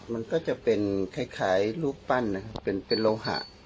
มันก็จะเป็นคล้ายรูปปั้นนะครับเป็นโลหะ